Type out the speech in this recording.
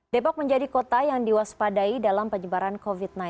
depok menjadi kota yang diwaspadai dalam penyebaran covid sembilan belas